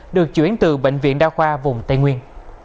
được chuyển từ bệnh viện đa khoa vùng tây nguyên